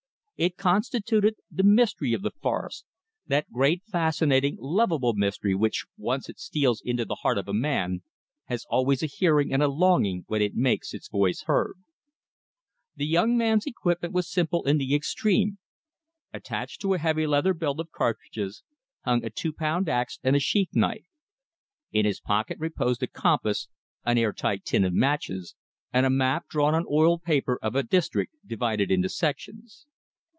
It constituted the mystery of the forest, that great fascinating, lovable mystery which, once it steals into the heart of a man, has always a hearing and a longing when it makes its voice heard. The young man's equipment was simple in the extreme. Attached to a heavy leather belt of cartridges hung a two pound ax and a sheath knife. In his pocket reposed a compass, an air tight tin of matches, and a map drawn on oiled paper of a district divided into sections.